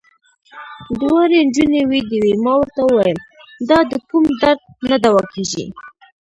دواړې نجونې وېدې وې، ما ورته وویل: دا د کوم درد نه دوا کېږي.